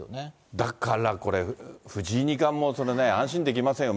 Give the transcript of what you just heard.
だからこれ、藤井二冠も安心できませんよ。